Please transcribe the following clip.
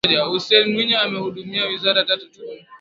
Hussein Mwinyi amehudumia wizara tatu tu